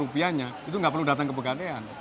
rupiahnya itu nggak perlu datang ke pegadean